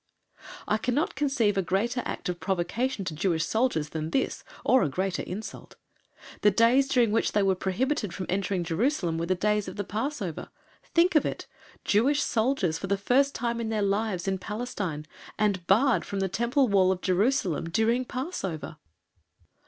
I cannot conceive a greater act of provocation to Jewish soldiers than this, or a greater insult. The days during which they were prohibited from entering Jerusalem were the days of the Passover. Think of it! Jewish soldiers for the first time in their lives in Palestine and barred from the Temple Wall of Jerusalem during Passover!